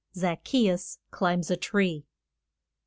ZACCHEUS CLIMBS A TREE.